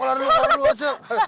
keluar dulu keluar dulu